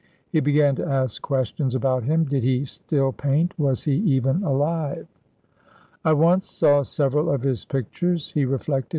He began to ask questions about him. Did he still paint? Was he even alive? "I once saw several of his pictures," he reflected.